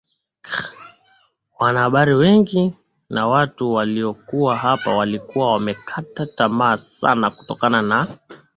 K wanahabari wengi na watu walikuwa hapa walikuwa wameshakata tamaa sana kutokana na